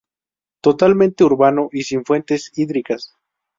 Totalmente urbano y sin fuentes hídricas.